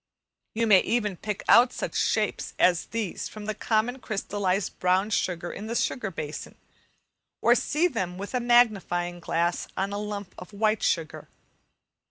You may even pick out such shapes as these from the common crystallized brown sugar in the sugar basin, or see them with a magnifying glass on a lump of white sugar.